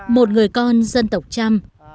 một người con dân tộc trăm